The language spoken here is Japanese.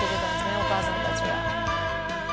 お母さんたちは。